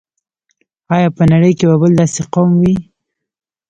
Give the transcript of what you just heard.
آیا په نړۍ کې به بل داسې قوم وي.